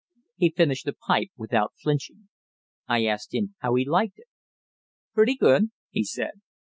He finished the pipe without flinching. I asked him how he liked it. "Pretty good," he said.